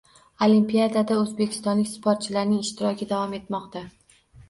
Olimpiadada o‘zbekistonlik sportchilarning ishtiroki davom etmoqda